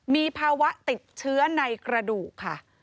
มีภาวะติดเชื้อในกระดูกค่ะ